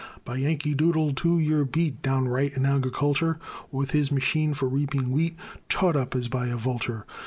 By Yankee Doodle, too, you're beat Downright in Agriculture, With his machine for reaping wheat, Chawed up as by a vulture.